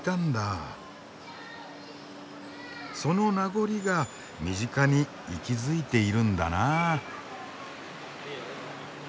その名残が身近に息づいているんだなあ。